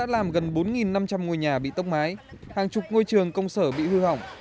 làm gần bốn năm trăm linh ngôi nhà bị tốc mái hàng chục ngôi trường công sở bị hư hỏng